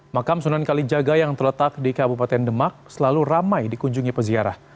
makam sunan kalijaga yang terletak di kabupaten demak selalu ramai dikunjungi peziarah